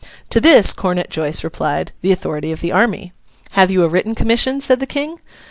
To this Cornet Joice replied, 'The authority of the army.' 'Have you a written commission?' said the King.